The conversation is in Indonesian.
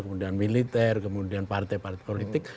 kemudian militer kemudian partai partai politik